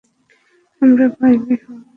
আমরা ভাই ভাই হওয়ার কথা ছিল।